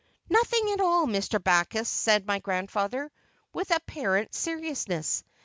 "Nothing at all, Mr. Backus," said my grandfather, with apparent seriousness.